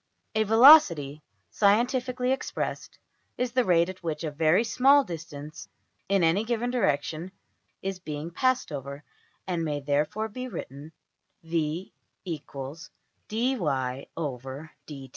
A \emph{velocity}, scientifically expressed, is the rate at which a very small distance in any given direction is being passed over; and may therefore be written \[ v = \dfrac{dy}{dt}.